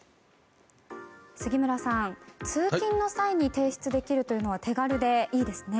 杉村さん、通勤の際に提出できるというのは手軽でいいですね。